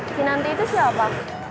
kinanti itu siapa